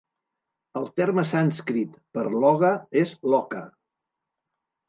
El terme sànscrit per Loga és "Loka".